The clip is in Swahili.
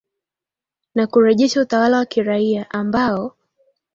na kurejesha utawala wa kiraia ambao